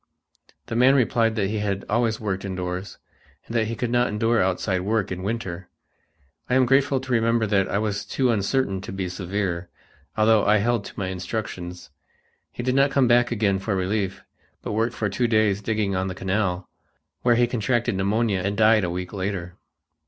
The man replied that he had always worked indoors and that he could not endure outside work in winter. I am grateful to remember that I was too uncertain to be severe, although I held to my instructions. He did not come again for relief, but worked for two days digging on the canal, where he contracted pneumonia and died a week later.